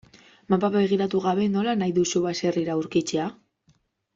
Mapa begiratu gabe nola nahi duzu baserria aurkitzea?